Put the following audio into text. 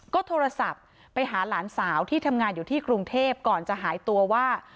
ก็โทรศัพท์ไปหาหลานสาวที่ทำงานอยู่ที่กรุงเทพก่อนจะหายตัวว่า